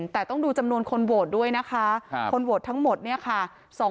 แต่ต้องดูจำนวนคนโหวตด้วยนะคะคนโหวตทั้งหมดเนี่ยค่ะ